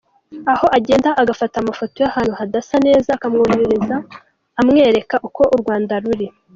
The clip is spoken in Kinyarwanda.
Aho agenda agafata amafoto y’ahantu hadasa neza, akayamwoherereza amwereka uko u Rwanda ruri.